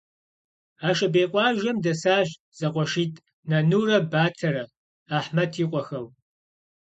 Ашабей къуажэм дэсащ зэкъуэшитӀ Нанурэ Батэрэ - Ахъмэт и къуэхэу.